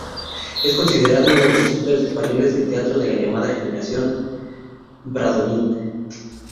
Es considerado uno de los escritores españoles de teatro de la llamada "Generación Bradomín".